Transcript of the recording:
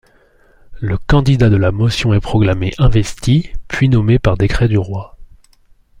Le candidat de la motion est proclamé investi, puis nommé par décret du roi.